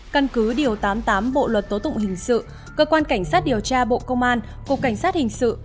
căn cứ điều tám mươi tám bộ luật tố tụng hình sự cơ quan cảnh sát điều tra bộ công an cục cảnh sát hình sự